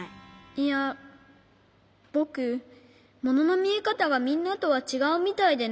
いやぼくもののみえかたがみんなとはちがうみたいでね。